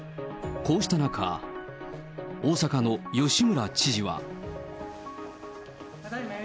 こうした中、大阪の吉村知事は。